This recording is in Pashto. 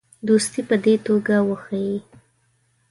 دوستي په دې توګه وښیي.